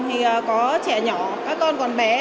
thì có trẻ nhỏ các con còn bé